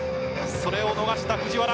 それを逃した藤原。